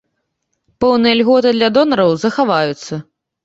Пэўныя льготы для донараў захаваюцца.